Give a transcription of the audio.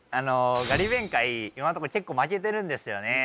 ガリ勉回今のところ結構負けてるんですよね